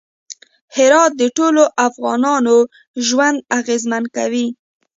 هرات د ټولو افغانانو ژوند اغېزمن کوي.